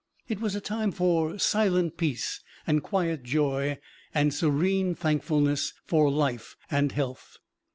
It was a time for silent peace, and quiet joy, and serene thankfulness for life and health.